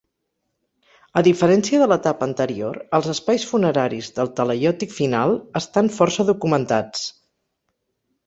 A diferència de l’etapa anterior, els espais funeraris del talaiòtic final estan força documentats.